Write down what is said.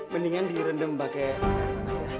mendingan direndam pakai